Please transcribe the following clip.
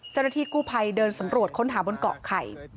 เจ้าหน้าที่กู้ภัยเดินสำรวจค้นหาบนเกาะไข่